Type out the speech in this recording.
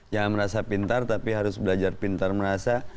jangan merasa pintar tapi harus belajar pintar merasa